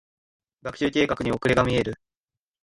学習計画に遅れが見える。